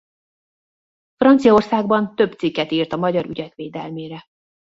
Franciaországban több cikket írt a magyar ügyek védelmére.